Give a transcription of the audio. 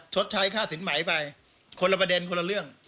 ชดใช้ค่าสินใหม่ไปคนละประเด็นคนละเรื่อง